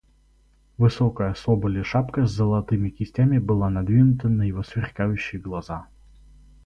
Высокая соболья шапка с золотыми кистями была надвинута на его сверкающие глаза.